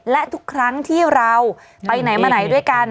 และทุกครั้งที่เราไปไหนมาไหนด้วยกัน